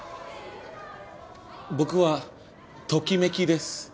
僕は「ときめき」です。